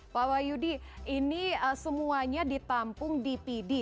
pak wayudi ini semuanya ditampung di pidi